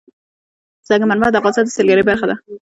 سنگ مرمر د افغانستان د سیلګرۍ برخه ده.